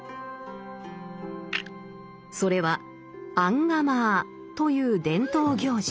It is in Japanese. それは「アンガマア」という伝統行事。